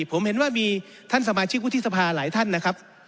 ผมเห็นว่ามีท่านสมาชิกวุฒิสภาหลายท่านนะครับ